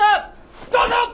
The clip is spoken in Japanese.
どうぞ！